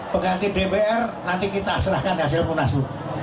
pengganti dpr nanti kita serahkan hasil munaslup